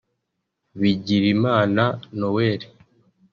Bigirimana Noel